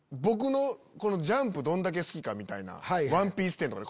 『ジャンプ』どんだけ好きかみたいな『ＯＮＥＰＩＥＣＥ』展とか。